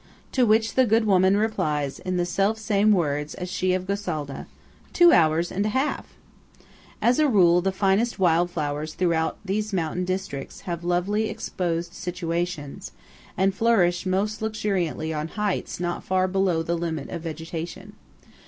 To which the good woman replies in the self same words as she of Gosalda:– "Two hours and a half!" As a rule, the finest wild flowers throughout these mountain districts love exposed situations, and flourish most luxuriantly on heights not far below the limit of vegetation.